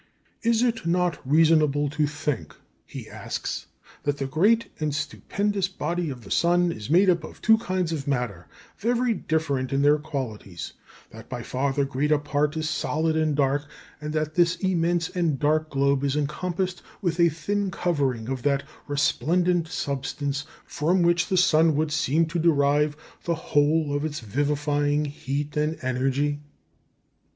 "Is it not reasonable to think," he asks, "that the great and stupendous body of the sun is made up of two kinds of matter, very different in their qualities; that by far the greater part is solid and dark, and that this immense and dark globe is encompassed with a thin covering of that resplendent substance from which the sun would seem to derive the whole of his vivifying heat and energy?"